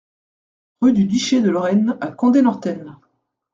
Rue du Duché de Lorraine à Condé-Northen